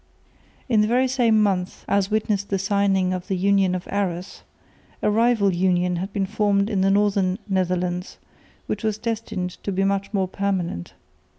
In the very same month as witnessed the signing of the Union of Arras, a rival union had been formed in the northern Netherlands, which was destined to be much more permanent.